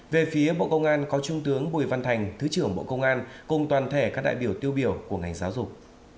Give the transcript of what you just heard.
về phía bộ công an có trung tướng bùi văn thành thứ trưởng bộ công an cùng toàn thể các đại biểu tiêu biểu của ngành giáo dục